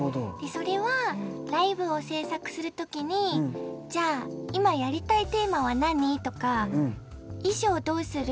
それはライブを制作する時に「じゃあ今やりたいテーマは何？」とか「衣装どうする？